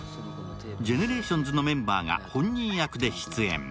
ＧＥＮＥＲＡＴＩＯＮＳのメンバーが本人役で出演。